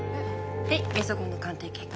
はいゲソ痕の鑑定結果。